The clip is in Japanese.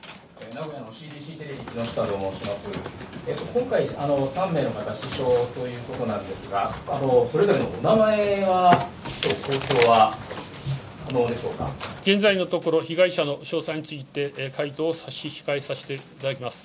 今回、３名の方、死傷ということなんですが、それぞれのお名前は、現在のところ、被害者の詳細について、回答を差し控えさせていただきます。